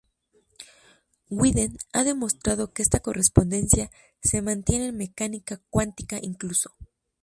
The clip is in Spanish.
Witten ha demostrado que esta correspondencia se mantiene en mecánica cuántica incluso.